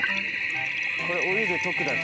これお湯で溶くだけ？